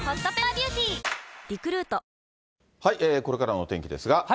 これからのお天気ですが。